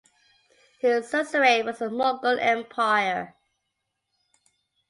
His suzerain was the Mongol Empire.